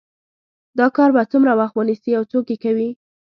دا کار به څومره وخت ونیسي او څوک یې کوي